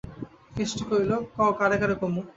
কেষ্ট কইল, কও কারে কারে কমু।